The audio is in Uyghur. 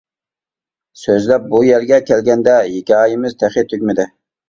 سۆزلەپ بۇ يەرگە كەلگەندە، ھېكايىمىز تېخى تۈگىمىدى.